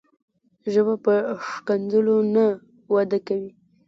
ژبه په ښکنځلو نه وده کوي.